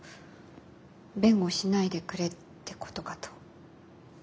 弁護しないでくれってことかと。